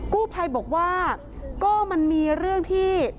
กู้ภัยบอกว่าก็มันมีเรื่องที่